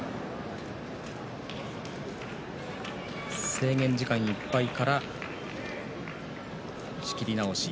制限時間いっぱいから仕切り直し。